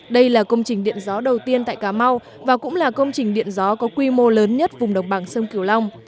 đây là công trình điện gió đầu tiên tại cà mau và cũng là công trình điện gió có quy mô lớn nhất vùng đồng bằng sông kiều long